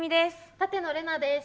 舘野伶奈です。